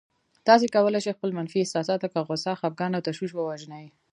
تاسې کولای شئ خپل منفي احساسات لکه غوسه، خپګان او تشويش ووژنئ.